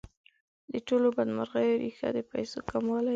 د ټولو بدمرغیو ریښه د پیسو کموالی دی.